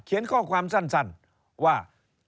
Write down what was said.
เห็นข้อความสั้นว่า